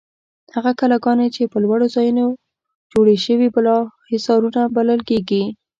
هغه کلاګانې چې په لوړو ځایونو جوړې شوې بالاحصارونه بلل کیږي.